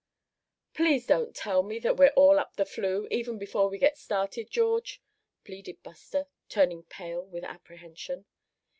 "Please don't tell me that we're all up the flue, even before we get started, George?" pleaded Buster, turning pale with apprehension.